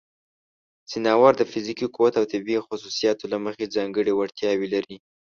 ځناور د فزیکي قوت او طبیعی خصوصیاتو له مخې ځانګړې وړتیاوې لري.